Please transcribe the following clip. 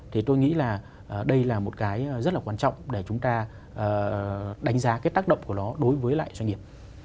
thì tôi nghĩ là đây là một cái rất là quan trọng để chúng ta đánh giá cái tác động của nó đối với lại doanh nghiệp